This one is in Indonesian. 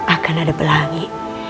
akan ada pelangi